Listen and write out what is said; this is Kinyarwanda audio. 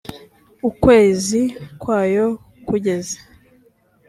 ukwezi kwayo kugeze